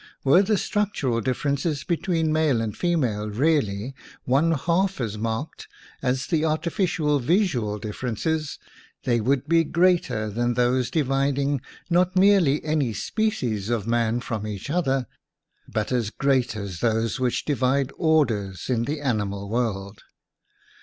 Were the structural differ ences between male and female really one half as marked as the artificial visual differences, they would be greater than those dividing, not merely any species of man from each other, but as great as those which divide orders in the animal world.